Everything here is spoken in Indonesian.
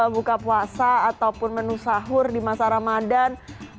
buka puasa ataupun menu sahur di masa ramadhan